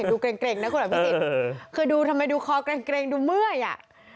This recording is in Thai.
ดูเกร็งนะคุณอภิษฎคือดูทำไมดูคอเกร็งดูเมื่อยอ่ะ